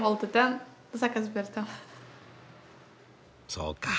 そうか。